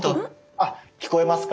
あ聞こえますか。